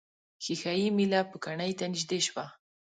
ښيښه یي میله پوکڼۍ ته نژدې شوه.